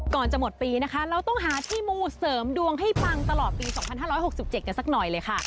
ก่อนจะหมดปีนะคะเราต้องหาที่มูเสริมดวงให้ปังตลอดปี๒๕๖๗กันสักหน่อยเลยค่ะ